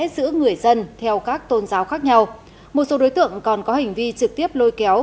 giữa người dân theo các tôn giáo khác nhau một số đối tượng còn có hành vi trực tiếp lôi kéo